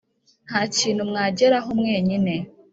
nta kintu mwageraho mwenyine;